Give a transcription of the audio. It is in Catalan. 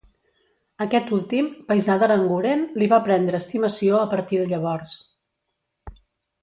Aquest últim, paisà d'Aranguren, li va prendre estimació a partir de llavors.